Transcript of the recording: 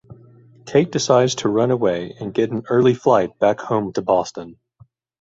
Kate decides to run away and get an early flight back home to Boston.